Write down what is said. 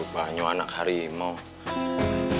banyo anak harimau